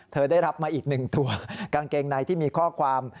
ได้รับมาอีกหนึ่งตัวกางเกงในที่มีข้อความ